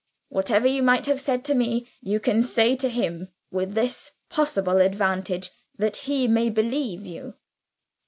Whatever you might have said to me, you can say to him with this possible advantage, that he may believe you."